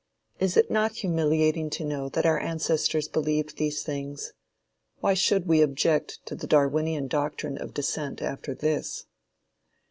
Is it not humiliating to know that our ancestors believed these things? Why should we object to the Darwinian doctrine of descent after this?